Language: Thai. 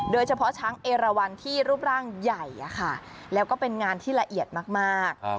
โดยเฉพาะช้างเอราวันที่รูปร่างใหญ่แล้วก็เป็นงานที่ละเอียดมาก